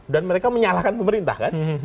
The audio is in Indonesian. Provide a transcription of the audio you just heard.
dan mereka menyalahkan pemerintah kan